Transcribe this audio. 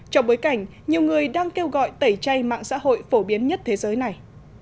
trong bối cảnh nhiều người đang kêu gọi tẩy chay mạng xã hội phổ biến nhất thế giới này